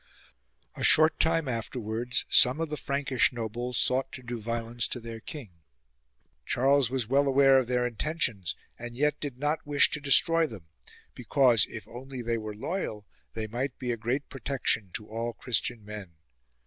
A short time afterwards some of the Frankish nobles sought to do violence to their king. Charles was well aware of their intentions, and yet did not wish to destroy them ; because, if only they were loyal, they might be a great protection to all Christian men.